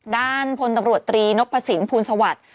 ด้านพลตำรวจตรีนพสินภูลสวัสดิ์